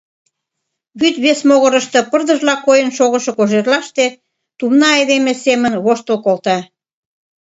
Вӱд вес могырышто, пырдыжла койын шогышо кожерлаште, тумна айдеме семын воштыл колта.